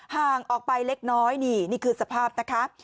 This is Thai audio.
ห่างออกไปเล็กน้อยนี่นี่คือสภาพนะคะ